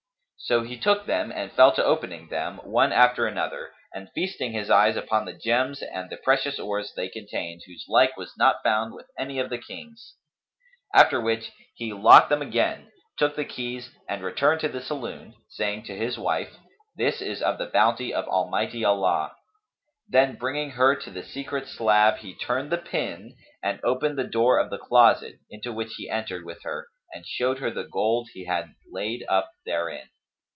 So he took them and fell to opening them, one after another, and feasting his eyes upon the gems and precious ores they contained, whose like was not found with any of the kings; after which he locked them again, took the keys, and returned to the saloon, saying to his wife, "This is of the bounty of Almighty Allah!" Then bringing her to the secret slab he turned the pin and opened the door of the closet, into which he entered with her and showed her the gold he had laid up therein.